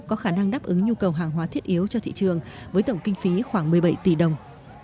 cho thị trường với tổng kinh phí khoảng một mươi bảy tỷ đồng